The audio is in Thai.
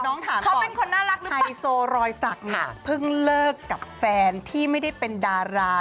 น้องถามก่อนไฮโซรอยสักเพิ่งเลิกกับแฟนที่ไม่ได้เป็นดารา